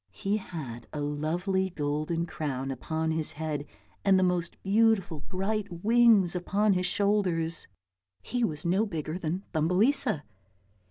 He had a lovely golden crown upon his head and the most beautiful bright wings upon his shoulders; he was no bigger than Thumbelisa.